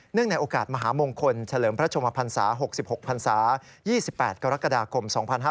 ในโอกาสมหามงคลเฉลิมพระชมพันศา๖๖พันศา๒๘กรกฎาคม๒๕๕๙